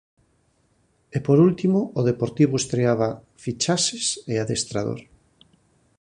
E por último, o Deportivo estreaba fichaxes e adestrador.